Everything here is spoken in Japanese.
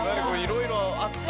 色々あった。